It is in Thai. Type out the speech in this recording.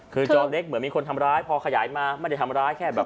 คือจอเล็กเหมือนมีคนทำร้ายพอขยายมาไม่ได้ทำร้ายแค่แบบ